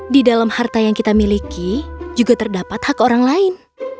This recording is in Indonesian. di dalam harta yang kita miliki juga terdapat hak orang lain